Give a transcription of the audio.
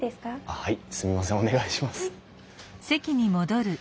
はい。